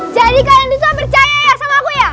jadi kalian itu percaya sama aku ya